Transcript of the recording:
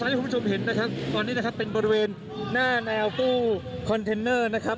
ให้คุณผู้ชมเห็นนะครับตอนนี้เป็นบริเวณหน้าแนวตู้คอนเทนเนอร์